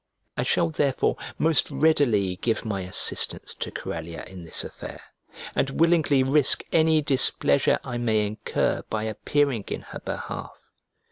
I shall therefore most readily give my assistance to Corellia in this affair, and willingly risk any displeasure I may incur by appearing in her behalf.